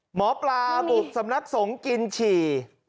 หมอปลาบุกสำนักสงฆ์กินฉี่